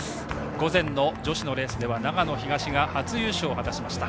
午前の女子のレースでは長野東が初優勝を果たしました。